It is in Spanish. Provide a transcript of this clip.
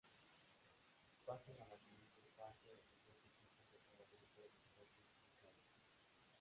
Pasan a la siguiente fase los dos equipos de cada grupo mejor clasificados.